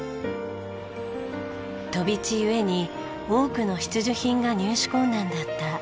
飛び地故に多くの必需品が入手困難だったオエクシ。